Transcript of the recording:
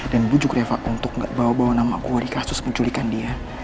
dan bujuk reva untuk gak bawa bawa nama gue di kasus menculikan dia